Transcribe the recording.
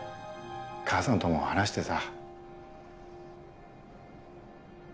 母さんとも話してさ。